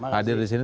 hadir di sini